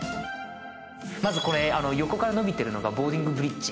まずこれ横から伸びてるのがボーディングブリッジ。